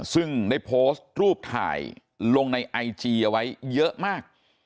ซึ่งได้โพสต์รูปถ่ายลงในไอจีเอาไว้เยอะมาก